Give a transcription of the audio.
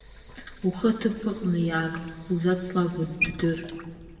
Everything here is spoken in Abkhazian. Ухы аҭыԥаҟны иааг, узацлабуа ддыр!